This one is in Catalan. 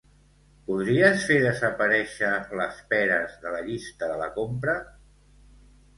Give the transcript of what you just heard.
Podries fer desaparèixer les peres de la llista de la compra?